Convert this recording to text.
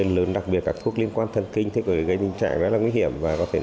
lớn đặc biệt các thuốc liên quan thân kinh thì có thể gây tình trạng rất là nguy hiểm và có thể